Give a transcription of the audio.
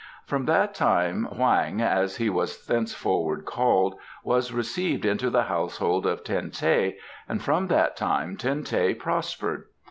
From that time Hoang, as he was thenceforward called, was received into the household of Ten teh, and from that time Ten teh prospered.